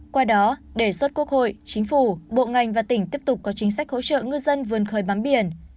qua đó đề xuất quốc hội chính phủ bộ ngành và tỉnh tiếp tục có chính sách hỗ trợ ngư dân vươn khơi bám biển